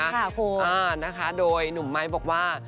ค่ะคุณอ่านะคะโดยหนุ่มไม้บอกว่า